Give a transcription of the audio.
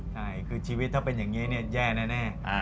ใช่คือชีวิตถ้าเป็นอย่างนี้แย่แน่